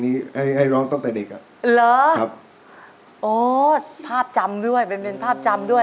คนที่บอกว่าไม่รู้ว่ามันมีหัวบาก